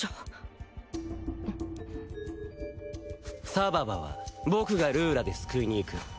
サババは僕がルーラで救いに行く。